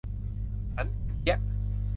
สันป่าเกี๊ยะ